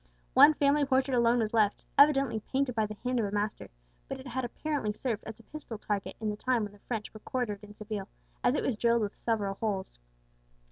One family portrait alone was left, evidently painted by the hand of a master; but it had apparently served as a pistol target in the time when the French were quartered in Seville, as it was drilled with several holes.